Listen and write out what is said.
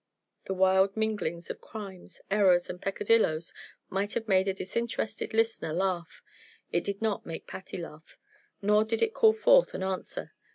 The wild minglings of crimes, errors, and peccadilloes might have made a disinterested listener laugh. It did not make Patty laugh, nor did it call forth an answer.